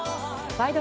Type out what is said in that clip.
「ワイド！